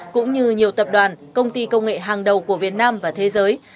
cũng như nhiều tập đoàn công ty công nghệ hàng đầu của việt nam và thế giới